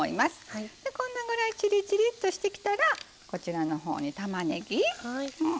こんなぐらいチリチリとしてきたらこちらのほうにたまねぎ。